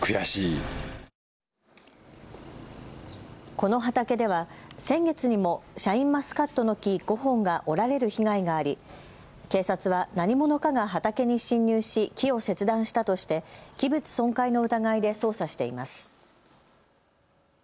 この畑では先月にもシャインマスカットの木５本が折られる被害があり警察は何者かが畑に侵入し木を切断したとして器物損壊の疑いで捜査しています。